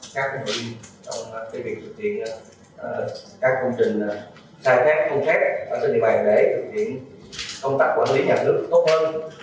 các công trình trong việc thực hiện các công trình sai phép không khép ở trên địa bàn để thực hiện công tác quản lý nhà nước tốt hơn